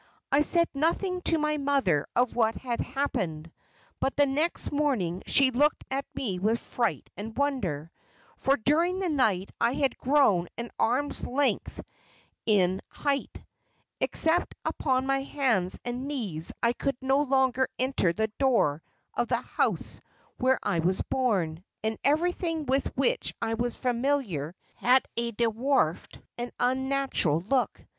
I said nothing to my mother of what had happened, but the next morning she looked at me with fright and wonder, for during the night I had grown an arm's length in height. Except upon my hands and knees I could no longer enter the door of the house where I was born, and everything with which I was familiar had a dwarfed and unnatural look.